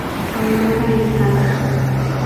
Aurora Estada.